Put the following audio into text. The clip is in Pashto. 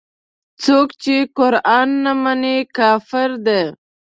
څوک چې قران نه مني کافر دی.